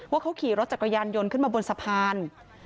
ว่าเขาขี่รถจักรยานยนต์ขึ้นมาบนสะพาน